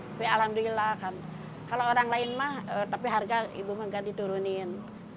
tapi alhamdulillah kan kalau orang lain mah tapi harga ibu makan diturunin